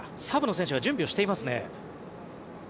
サブの選手が準備をしていますね。